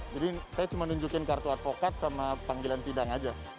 jadi saya cuma nunjukin kartu advokat sama panggilan sidang aja